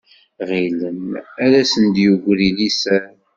Γilen ad asen-d-yegri liser.